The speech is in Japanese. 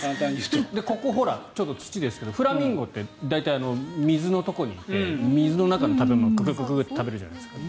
ここは土ですけどフラミンゴは大体水のところにいて水の中の食べ物を食べるじゃないですか。